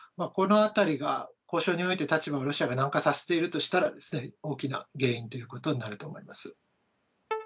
このあたりが交渉において立場をロシアが軟化させているとしたら、大きな原因ということになると思います。